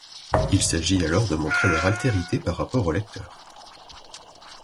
Il s'agit alors de montrer leur altérité par rapport au lecteur.